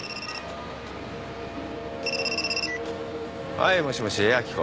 はいもしもし明子。